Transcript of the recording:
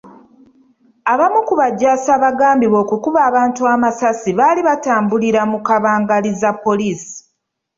Abamu ku bajaasi abagambibwa okukuba abantu amasasi baali batambulira mu kabangali za poliisi .